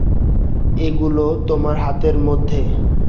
এগুলো তোমার হাতের মধ্যে।